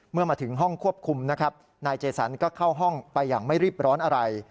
เมื่อมาถึงห้องควบคุมนะครับนายเจสันก็เข้าห้องไปอย่างไม่รีบร้อนอะไร